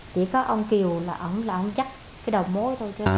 chỉ có ông kiều là ổng là ổng chắc cái đầu mối thôi chứ